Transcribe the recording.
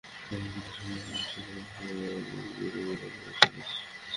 সবাই মিলে একসঙ্গে কাজ করলে বাংলাদেশ আরও এগিয়ে যাবে বলে আশা করি।